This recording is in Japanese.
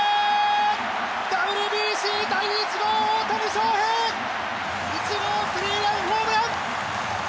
ＷＢＣ第１号、大谷翔平、１号スリーランホームラン。